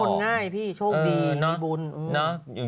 บางคนง่ายพี่โชคดีมีบุญ